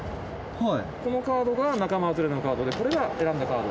このカードが仲間外れのカードでこれが選んだカード。